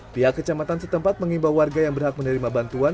pihak kecamatan setempat mengimbau warga yang berhak menerima bantuan